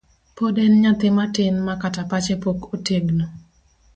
Pod en nyathi matin makata pache pok otegno.